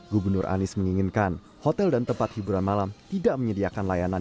gubernur anies menginginkan hotel dan tempat hiburan malam tidak menyediakan layanan